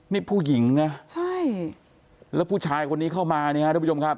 นี่ผู้หญิงนะใช่แล้วผู้ชายคนนี้เข้ามาเนี่ยฮะทุกผู้ชมครับ